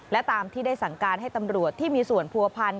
และตามที่ได้สั่งการให้ตำรวจที่มีส่วนผัวพันธ